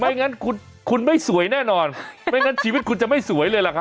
อย่างนั้นคุณไม่สวยแน่นอนไม่งั้นชีวิตคุณจะไม่สวยเลยล่ะครับ